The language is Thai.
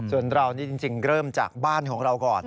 ส่วนเรานี่จริงเริ่มจากบ้านของเราก่อน